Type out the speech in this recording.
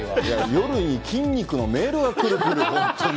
夜に筋肉のメールが来る来る、本当に。